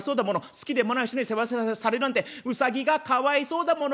好きでもない人に世話されるなんてウサギがかわいそうだもの。